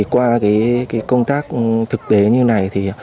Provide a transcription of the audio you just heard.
qua công tác thực tế như này